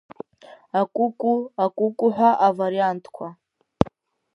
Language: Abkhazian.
Акәыкәу, акәукәу ҳәа авариантқәа.